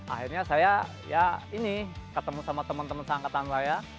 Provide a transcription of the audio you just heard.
akhirnya saya ketemu sama teman teman seangkatan saya